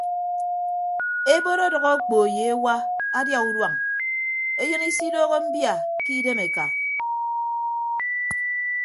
Ebot ọdʌk okpo ye ewa adia uduañ eyịn isidooho mbia ke idem eka.